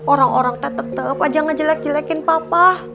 orang orang teh tetep aja ngejelek jelekin papa